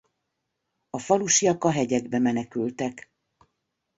A falusiak a hegyekbe menekültek.